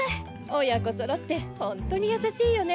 親子そろってホントにやさしいよね。